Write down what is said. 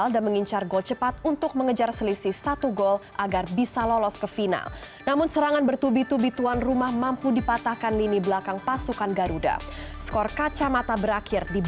dan juga tim sendiri